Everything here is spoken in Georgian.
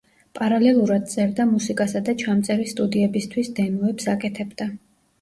პარალელურად წერდა მუსიკასა და ჩამწერი სტუდიებისთვის დემოებს აკეთებდა.